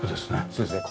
そうですね。